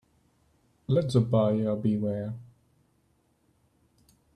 Let the buyer beware.